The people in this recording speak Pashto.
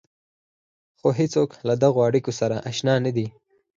خو هېڅوک له دغو اړيکو سره اشنا نه دي.